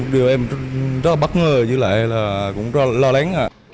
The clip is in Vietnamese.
thì em rất bất ngờ chứ lại là cũng lo lắng